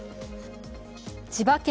千葉県